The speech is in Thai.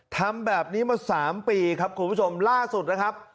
ทำแบบนี้มา๓ปีครับคุณผู้ชมล่าสุดนะครับ